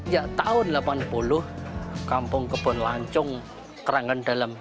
ya tahun delapan puluh kampung kebon lancung kerangan dalem